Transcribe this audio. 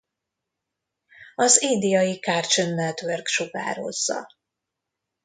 Az indiai Cartoon Network sugározza.